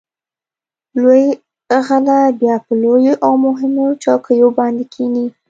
لوی غله بیا په لویو او مهمو چوکیو باندې کېني.